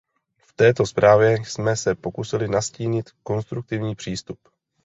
V této zprávě jsme se pokusili nastínit konstruktivní přístup.